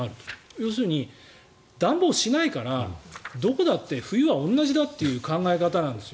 要するに暖房しないからどこだって冬は同じだという考え方なんですよ。